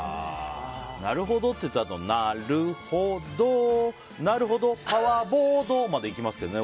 なるほどって言ったあとな、る、ほ、どなるほど、パワーボード！までいきますけどね。